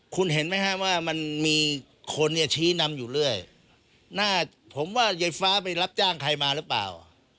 คุณเห็นไหมฮะว่ามันมีคนเนี่ยชี้นำอยู่เรื่อยหน้าผมว่ายายฟ้าไปรับจ้างใครมาหรือเปล่า